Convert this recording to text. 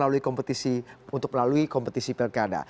untuk melalui kompetisi pirkada